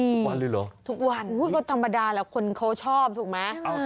ทุกวันเลยเหรอทุกวันก็ธรรมดาแหละคนเขาชอบถูกไหม